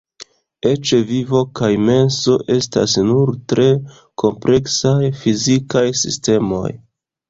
Eĉ vivo kaj menso estas nur tre kompleksaj fizikaj sistemoj.